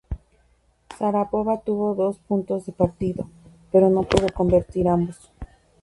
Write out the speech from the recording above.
Sharápova tuvo dos puntos de partido, pero no pudo convertir ambos.